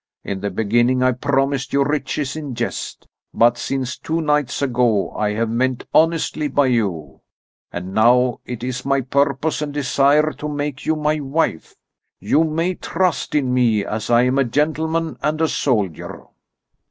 In the beginning I promised you riches in jest, but since two nights ago I have meant honestly by you. And now it is my purpose and desire to make you my wife. You may trust in me, as I am a gentleman and a soldier."